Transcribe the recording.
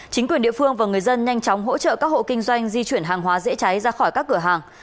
chính quyền địa phương và người dân nhanh chóng hỗ trợ các hộ kinh doanh di chuyển hàng hóa dễ cháy ra khỏi các cửa hàng